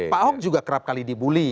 pak ahok juga kerap kali dibully